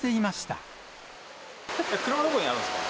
どこにあるんですか？